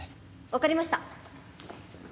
分かりました。